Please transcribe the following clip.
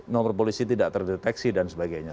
nomor polisi tidak terdeteksi dan sebagainya